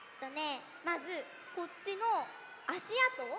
まずこっちのあしあと。